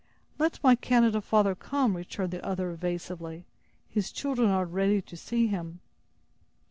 "Let my Canada father come," returned the other, evasively; "his children are ready to see him."